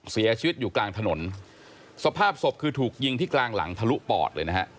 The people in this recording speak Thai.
เสียชีวิตอยู่กลางถนนสภาพศพคือถูกยิงที่กลางหลังทะลุปอดเลยนะฮะ